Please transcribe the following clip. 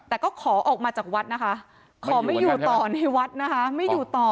แต่ก็ขอออกมาจากวัดนะคะขอไม่อยู่ต่อในวัดนะคะไม่อยู่ต่อ